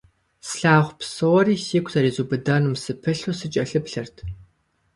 Слъагъу псори сигу зэризубыдэным сыпылъу сыкӀэлъыплъырт.